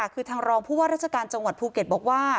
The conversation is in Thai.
คือทางรองผู้ว่าราชการจังหวัดภูเก็ตบอกว่า